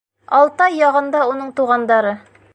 Алтай яғында уның туғандары.